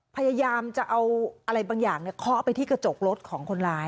พยายามจะเอาอะไรบางอย่างเคาะไปที่กระจกรถของคนร้าย